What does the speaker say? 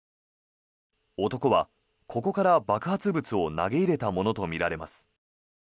男は、ここから爆発物を投げ入れたものとみられます。